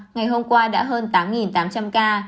ngày hôm qua đã hơn tám tám trăm linh ca